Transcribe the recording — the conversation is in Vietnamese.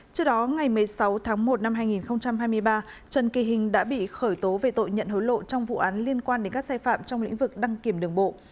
trước đó ngày một mươi sáu tháng một năm hai nghìn hai mươi ba trần kỳ hình đã bị khởi tố về tội nhận hối lộ trong vụ án liên quan đến các sai phạm trong lĩnh vực đăng kiểm đường bộ